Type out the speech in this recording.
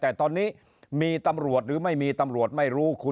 แต่ตอนนี้มีตำรวจหรือไม่มีตำรวจไม่รู้คุณ